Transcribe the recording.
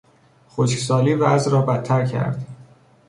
خشکسالی وضع را بدتر کرد.